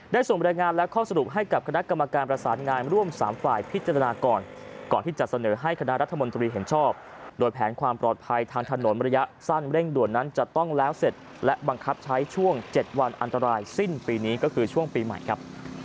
ส่งบรรยายงานและข้อสรุปให้กับคณะกรรมการประสานงานร่วม๓ฝ่ายพิจารณาก่อนก่อนที่จะเสนอให้คณะรัฐมนตรีเห็นชอบโดยแผนความปลอดภัยทางถนนระยะสั้นเร่งด่วนนั้นจะต้องแล้วเสร็จและบังคับใช้ช่วง๗วันอันตรายสิ้นปีนี้ก็คือช่วงปีใหม่ครับ